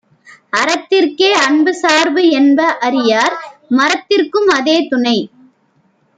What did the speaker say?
அறத்திற்கே அன்புசார்பு என்ப அறியார்; மறத்திற்கும் அதே துணை.